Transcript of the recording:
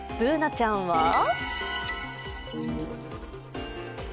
Ｂｏｏｎａちゃんは？